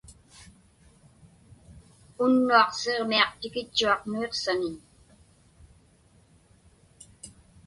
Unnuaq Siġmiaq tikitchuaq Nuiqsaniñ.